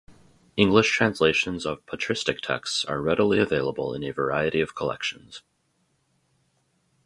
English translations of patristic texts are readily available in a variety of collections.